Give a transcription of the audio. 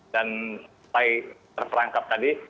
dan sampai terperangkap tadi